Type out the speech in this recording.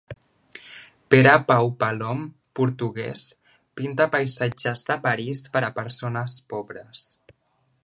Pere Pau Palom, portugués, pinta paisatges de París per a persones pobres.